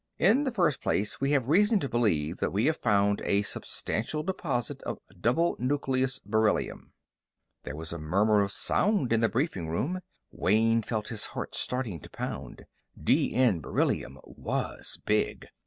In the first place, we have reason to believe that we have found a substantial deposit of double nucleus beryllium." There was a murmur of sound in the briefing room. Wayne felt his heart starting to pound; D N beryllium was big.